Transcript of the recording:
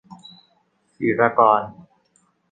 ศิรกร